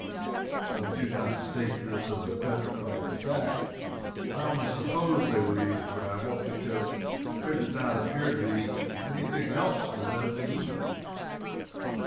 I do not state this as a petrified fact I only suppose they were eating gravel, because there did not appear to be any thing else for them to eat.